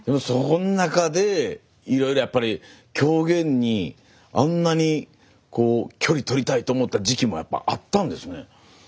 その中でいろいろやっぱり狂言にあんなに距離とりたいと思った時期もやっぱあったんですね。